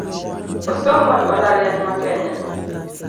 Osomo e mbalariany ma Kenya